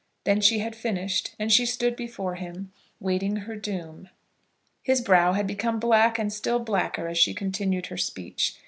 Then she had finished, and she stood before him waiting her doom. His brow had become black and still blacker as she continued her speech.